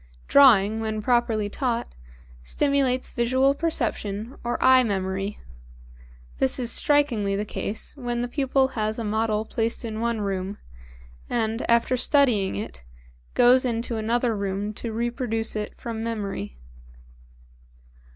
Drawing when properly taught stimulates visual perception or eye memory; this is strikingly the case when the pupil has a model placed in one room, and, after studying it, goes into another room to reproduce it from memory.